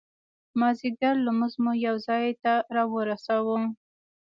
مازدیګر لمونځ مو یو ځای ته را ورساوه.